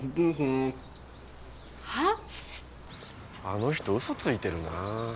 あの人嘘ついてるなあ。